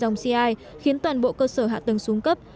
dòng ci khiến toàn bộ cơ sở hạ tầng xuống cấp